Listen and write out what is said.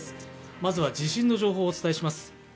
まずは地震の情報をお伝えします。